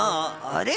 あれ？